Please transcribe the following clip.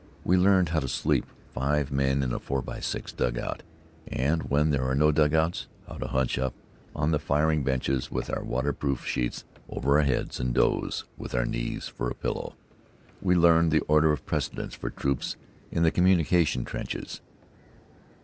We learned how to "sleep" five men in a four by six dugout; and, when there are no dugouts, how to hunch up on the firing benches with our waterproof sheets over our heads, and doze, with our knees for a pillow. We learned the order of precedence for troops in the communication trenches.